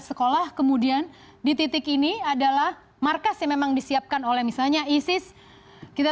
sekolah kemudian di titik ini adalah markas yang memang disiapkan oleh misalnya isis kita